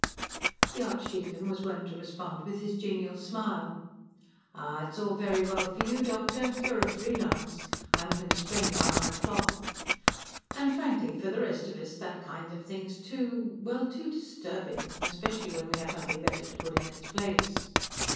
The Archdeacon was wont to respond with his genial smile: "Ah, it's all very well for you, doctor! you're a free lance. I am constrained by my cloth. And frankly, for the rest of us, that kind of thing's too well, too disturbing. Especially when we have nothing better to put in its place."